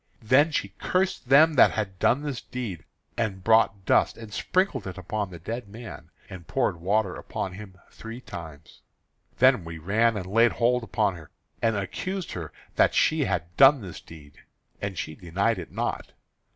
Then she cursed them that had done this deed; and brought dust and sprinkled it upon the dead man, and poured water upon him three times. Then we ran and laid hold upon her, and accused her that she had done this deed; and she denied it not.